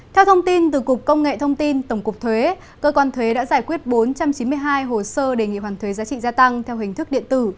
theo thông tin từ cục công nghệ thông tin tổng cục thuế cơ quan thuế đã giải quyết bốn trăm chín mươi hai hồ sơ đề nghị hoàn thuế giá trị gia tăng theo hình thức điện tử